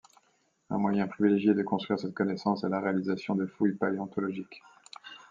Un moyen privilégié de construire cette connaissance est la réalisation de fouilles paléontologiques.